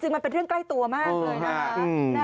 มันเป็นเรื่องใกล้ตัวมากเลยนะคะ